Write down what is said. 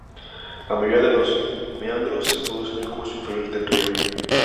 La mayoría de los meandros se producen en el curso inferior del río.